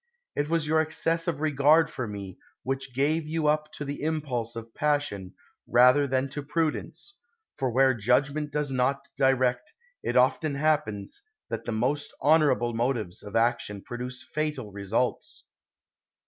It was your excessive regard for me, which gave you up to the impulse of pas sion rather than to prudence; for where judg ment does not direct, it often happens that the most honorable motives of action produce fatal results.